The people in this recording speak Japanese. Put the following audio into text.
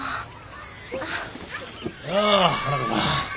やあ花子さん。